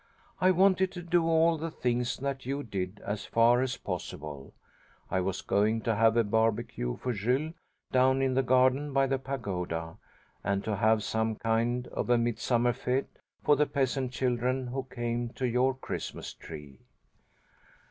I wanted to do all the things that you did, as far as possible. I was going to have a barbecue for Jules, down in the garden by the pagoda, and to have some kind of a midsummer fête for the peasant children who came to your Christmas tree.